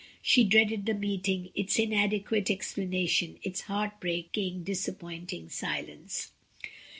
She dreaded the meeting, its inadequate explanation, its heart break ing, disappointing silence.